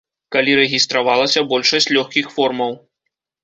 Калі рэгістравалася большасць лёгкіх формаў.